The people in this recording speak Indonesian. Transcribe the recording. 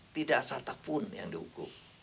tidak satupun yang dihukum